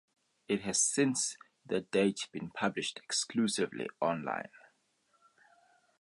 It has since that date been published exclusively online.